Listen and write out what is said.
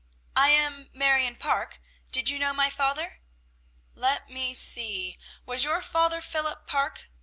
"I am Marion Parke. Did you know my father?" "Let me see. Was your father Philip Parke?